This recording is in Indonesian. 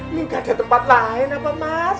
ini gak ada tempat lain apa mas